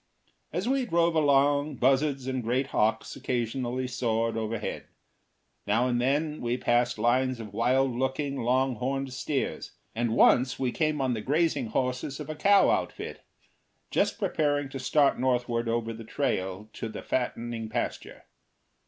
As we drove along buzzards and great hawks occasionally soared overhead. Now and then we passed lines of wild looking, long horned steers, and once we came on the grazing horses of a cow outfit, just preparing to start northward over the trail to the fattening pasture.